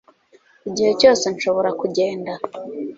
igihe cyose nshobora kugenda